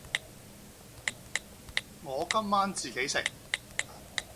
我今晚自己食